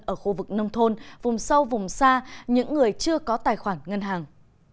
ở khu vực nông thôn vùng sâu vùng xa những người chưa có tài khoản ngân hàng